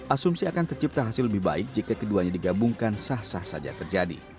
asumsi akan tercipta hasil lebih baik jika keduanya digabungkan sah sah saja terjadi